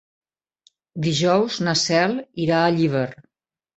Dijous na Cel irà a Llíber.